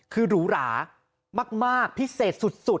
คือหรูหรามากพิเศษสุด